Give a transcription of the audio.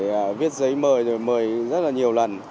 viết giấy mời rồi mời rất là nhiều lần